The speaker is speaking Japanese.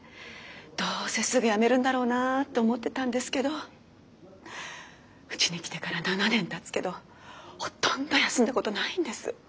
どうせすぐ辞めるんだろうなと思ってたんですけどうちに来てから７年たつけどほとんど休んだことないんです。